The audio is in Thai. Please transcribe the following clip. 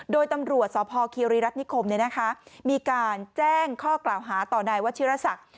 โดยตำรวจสพคีรีรัฐนิคมมีการแจ้งข้อกล่าวหาต่อนายวัชิรษัก